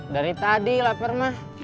dari tadi lapar mah